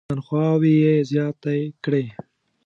تنخواوې یې زیاتې کړې.